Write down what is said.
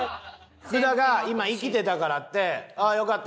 福田が今生きてたからって「ああよかった。